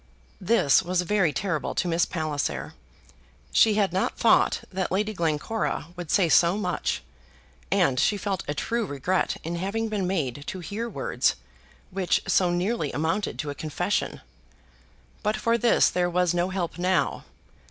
This was very terrible to Miss Palliser. She had not thought that Lady Glencora would say so much, and she felt a true regret in having been made to hear words which so nearly amounted to a confession. But for this there was no help now.